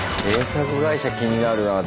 制作会社気になるなぁ。